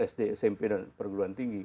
sd smp dan perguruan tinggi